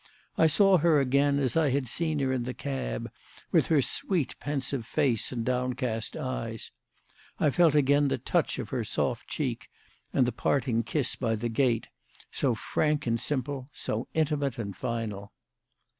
I saw her again as I had seen her in the cab with her sweet, pensive face and downcast eyes; I felt again the touch of her soft cheek and the parting kiss by the gate, so frank and simple, so intimate and final.